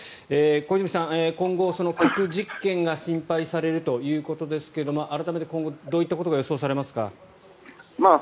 小泉さん、今後、核実験が心配されるということですが改めて今後どういったことが予想されますか？